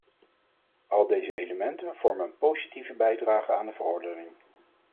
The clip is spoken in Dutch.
Al deze elementen vormen een positieve bijdrage aan de verordening.